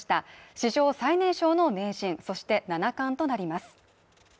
史上最年少の名人、そして７冠となります。